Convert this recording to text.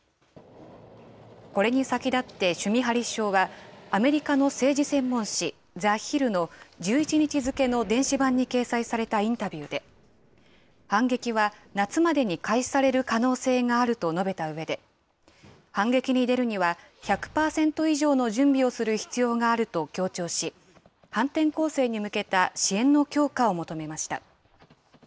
これに先立ってシュミハリ首相はアメリカの政治専門誌、ザ・ヒルの１１日付の電子版に掲載されたインタビューで、反撃は夏までに開始される可能性があると述べたうえで、反撃に出るには、１００％以上の準備をする必要があると強調し、反転攻勢に向けた支援の強化を求めました。